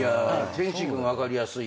天心君分かりやすい。